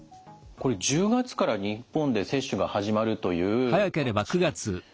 これ１０月から日本で接種が始まるというワクチン。